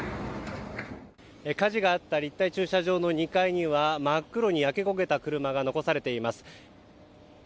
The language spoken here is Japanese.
火事があった立体駐車場の２階には真っ黒に焼け焦げた車が残されています。